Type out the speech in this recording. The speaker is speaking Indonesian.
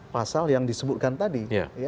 pasal yang disebutkan tadi